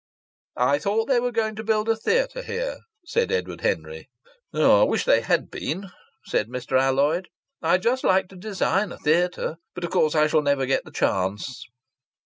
"I thought they were going to build a theatre here," said Edward Henry. "I wish they had been!" said Mr. Alloyd. "I'd just like to design a theatre! But of course I shall never get the chance."